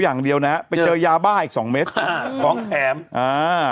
อย่างเดียวนะฮะไปเจอยาบ้าอีกสองเม็ดอ่าของแถมอ่า